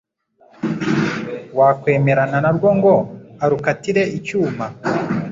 Wakwemerana na rwo Ngo arukatire icyuma